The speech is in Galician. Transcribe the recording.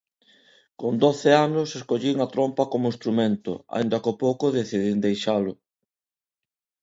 Con doce anos escollín a trompa como instrumento, aínda que ao pouco decidín deixalo.